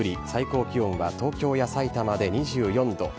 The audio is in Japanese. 最高気温は東京やさいたまで２４度。